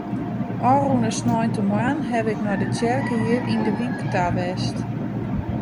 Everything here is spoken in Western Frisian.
Ofrûne sneintemoarn haw ik nei de tsjerke hjir yn de wyk ta west.